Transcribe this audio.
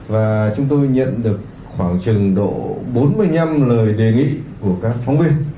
và chúng tôi nhận được khoảng trừng độ bốn mươi năm lời đề nghị của các phóng viên